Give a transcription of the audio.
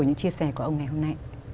những chia sẻ của ông ngày hôm nay